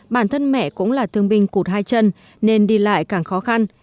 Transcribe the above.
bản thân mẹ cũng là thương binh cụt hai chân nên đi lại càng khó khăn